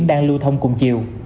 đang lưu thông cùng chiều